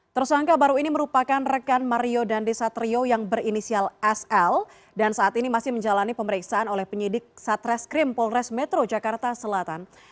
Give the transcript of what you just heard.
tersangka baru ini merupakan rekan mario dandi satrio yang berinisial sl dan saat ini masih menjalani pemeriksaan oleh penyidik satreskrim polres metro jakarta selatan